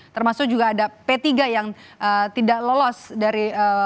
termasuk juga ada p tiga yang tidak lolos dari